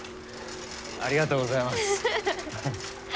ありがとうございます。